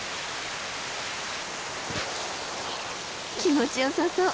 気持ちよさそう。